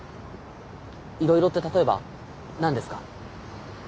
いろいろって例えば何ですか？